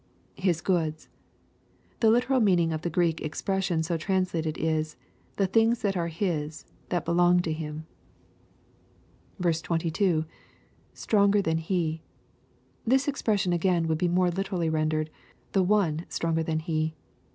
[His goods,] The literal meaning of the Greek expression so translated is, " the things that are his, — that belong to him," 22 — [A stronger ihan he.]. This expression . again would be more literally rendered, " the One stronger than he."